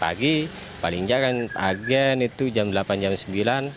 agar sudah sah bentuk warung ésme di kesana juga bertamanya perempuan